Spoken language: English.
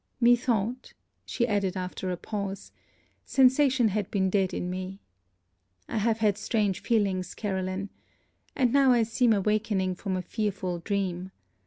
Methought ' she added after a pause 'sensation had been dead in me I have had strange feelings, Caroline. And now I seem awakening from a fearful dream.